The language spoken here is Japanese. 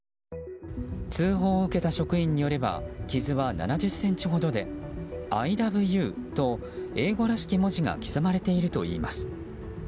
通報を受けた職員によれば傷は７０ｃｍほどで「ＩＬＯＶＥＹＯＵ」と英語らしき文字が刻まれているといいます。